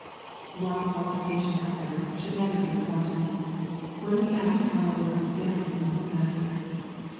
One qualification, however, should never be forgotten, when we act upon our Lord's example in this matter.